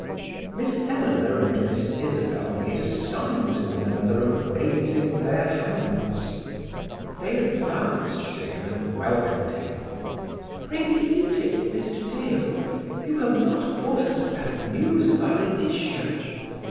Miss Eleanor and Miss Isabel made a sign to one another of raising their hands. They advanced to him, and welcomed him. "Pray be seated, Mr. Dale. You have not brought us bad news of our Laetitia?"